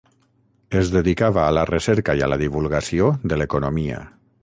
Es dedicava a la recerca i a la divulgació de l’economia.